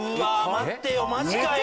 待ってよマジかよ・